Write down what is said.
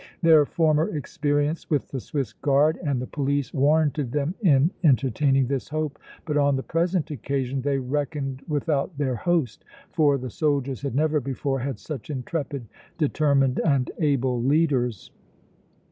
Their former experience with the Swiss Guard and the police warranted them in entertaining this hope, but on the present occasion they reckoned without their host, for the soldiers had never before had such intrepid, determined and able leaders.